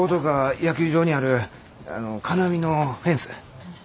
野球場にあるあの金網のフェンス。